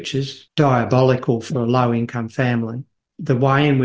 yang diabolik untuk keluarga yang beruntung rendah